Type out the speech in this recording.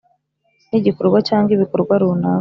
n igikorwa cyangwa ibikorwa runaka